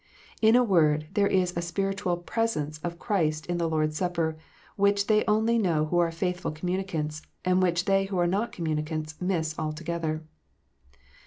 In a word, there is a special spiritual " presence " of Christ in the Lord s Supper, which they only know who are faithful com municants, and which they who are not communicants miss altogether.